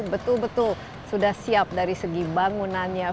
betul betul sudah siap dari segi bangunannya